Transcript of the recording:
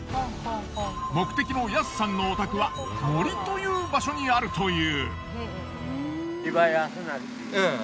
目的のヤスさんのお宅は森という場所にあるという。